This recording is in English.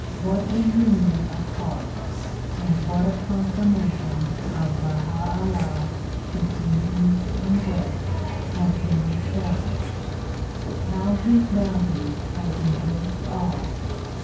What a union of hearts and what a confirmation of Baha 'Ullah between east and west has been established! How his bounty has embraced all!